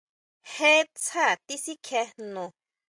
Jé sjá tisikjien jnu.